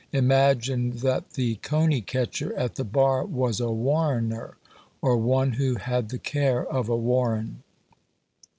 imagined that the coney catcher at the bar was a warrener, or one who had the care of a warren.